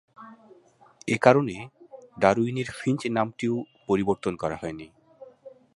এ কারণে ডারউইনের ফিঞ্চ নামটিও পরিবর্তন করা হয়নি।